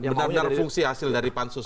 benar benar fungsi hasil dari pansus